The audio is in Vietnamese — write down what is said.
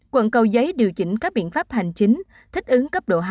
quận cầu giấy điều chỉnh các biện pháp hành chính thích ứng cấp độ hai